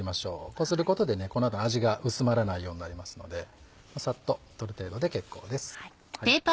こうすることでこの後味が薄まらないようになりますのでサッと取る程度で結構です。